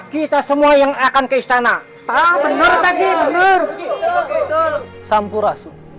kita semua yang akan ke istana